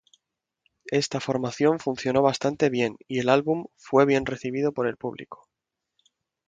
Esta formación funcionó bastante bien y el álbum, fue bien recibido por público.